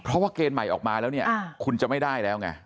เพราะว่าเกณฑ์ใหม่ออกมาแล้วเนี่ยคุณจะไม่ได้แล้วไง